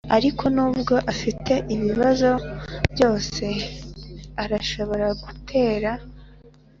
ariko nubwo afite ibibazo byose arashobora gutera.